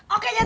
oke ya tuhan